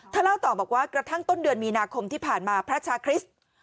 เล่าต่อบอกว่ากระทั่งต้นเดือนมีนาคมที่ผ่านมาพระชาคริสต์